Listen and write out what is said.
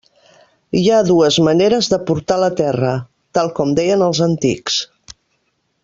Hi ha dues maneres de portar la terra, tal com deien els antics.